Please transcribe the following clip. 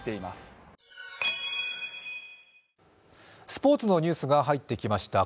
スポーツのニュースが入ってきました。